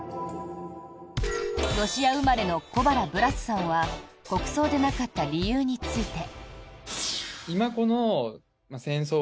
ロシア生まれの小原ブラスさんは国葬でなかった理由について。